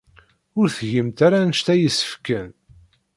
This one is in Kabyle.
Ur tgimt ara anect ay yessefken?